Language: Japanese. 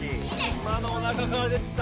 今のおなかから出てた。